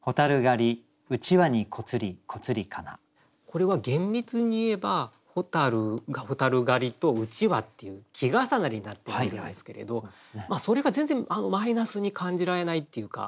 これは厳密にいえば「蛍狩り」と「うちは」っていう季重なりになっているんですけれどそれが全然マイナスに感じられないっていうか。